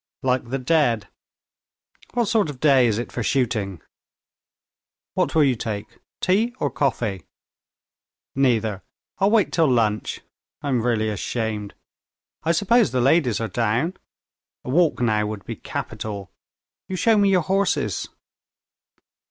"Like the dead. What sort of day is it for shooting?" "What will you take, tea or coffee?" "Neither. I'll wait till lunch. I'm really ashamed. I suppose the ladies are down? A walk now would be capital. You show me your horses."